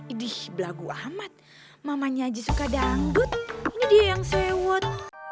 iduh belagu amat mamanya aja suka danggut ini dia yang sewot